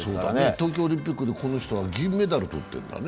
東京オリンピックでこの人は銀メダル取ってるんですね。